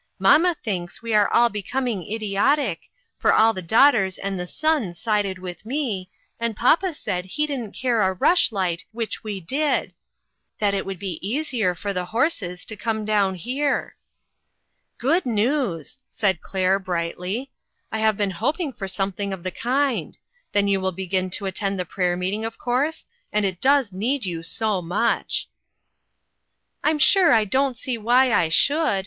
Mamma thinks we are all becoming idiotic, for all the daughters and the son sided with me, and papa said he didn't care a rush light which we did ; that it would be easier for the horses to come down here." " Good news," said Claire, brightly. " I have been hoping for something of the kind. Then you will begin to attend the prayer meeting, of course, and it does need you so much !"" I'm sure I don't see why I should.